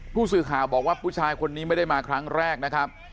ผู้สื่อข่าวบอกว่าผู้ชายคนนี้ไม่ได้มาครั้งแรกนะครับ